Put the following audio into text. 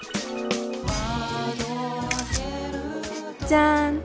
じゃん